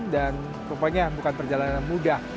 dan rupanya bukan perjalanan yang mudah